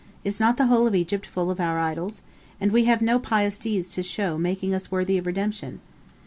Is not the whole of Egypt full of our idols? And we have no pious deeds to show making us worthy of redemption."